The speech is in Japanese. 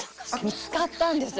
見つかったんです。